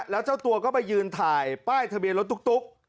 แล้วเจ้าตัวก็ไปยืนถ่ายป้ายทะเบียนรถตุ๊ก